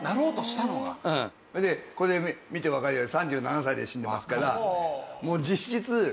それでこれ見てわかるように３７歳で死んでますから実質１０年もないんだよ。